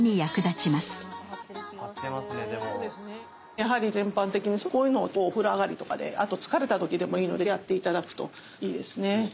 やはり全般的にこういうのをお風呂上がりとかであと疲れた時でもいいのでやって頂くといいですね。